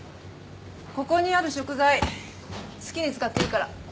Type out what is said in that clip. ここにある食材好きに使っていいから。